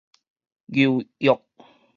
牛約